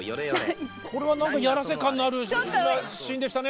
これは何かやらせ感のあるシーンでしたね。